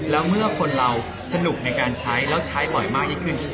แล้วเมื่อคนเราสนุกในการใช้แล้วใช้บ่อยมากยิ่งขึ้น